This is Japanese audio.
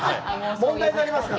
問題になりますから。